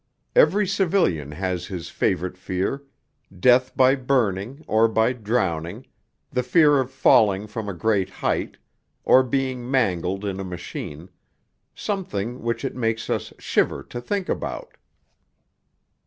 Every civilian has his favourite fear, death by burning or by drowning, the fear of falling from a great height, or being mangled in a machine something which it makes us shiver to think about.